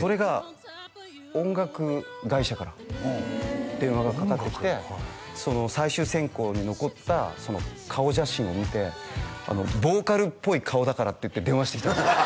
それが音楽会社から電話がかかってきて最終選考に残ったその顔写真を見てボーカルっぽい顔だからっていって電話してきたんですよ